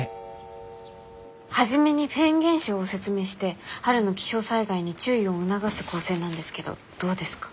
初めにフェーン現象を説明して春の気象災害に注意を促す構成なんですけどどうですか？